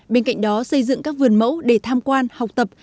bên cạnh đó xây dựng các vườn mẫu để tham quan học tập